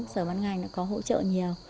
sở bán ngành nó có hỗ trợ nhiều